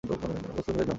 প্রস্তুত হয়ে নাও!